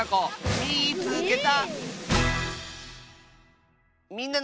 「みいつけた」！